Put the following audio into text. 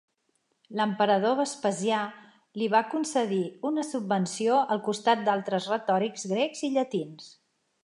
L'emperador Vespasià li va concedir una subvenció al costat d'altres retòrics grecs i llatins.